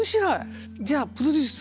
じゃあプロデュース。